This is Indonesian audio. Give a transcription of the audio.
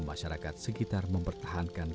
masyarakat sekitar mempertahankan